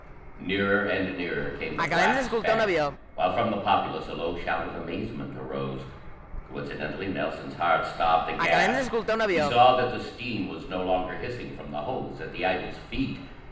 Nearer and nearer came the black speck while from the populace a low shout of amazement arose. Coincidently Nelson's heart stopped; aghast, he saw that the steam was no longer hissing from the holes at the idol's feet!